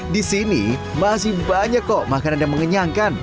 di sini masih banyak kok makanan yang mengenyangkan